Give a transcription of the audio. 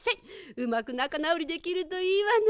うまくなかなおりできるといいわね。